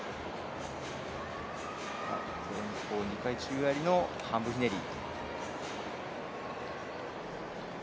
前方２回宙返りの半分ひねり。